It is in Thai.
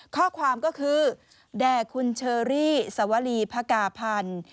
ข้อความก็คือแด่คุณเชอรี่สวรีพกาพันธ์